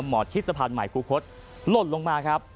หมอที่สะพานใหม่ครูคศหล่นลงมาครับ